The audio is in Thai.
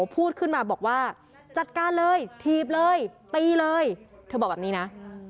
พูดขึ้นมาบอกว่าจัดการเลยถีบเลยตีเลยเธอบอกแบบนี้นะ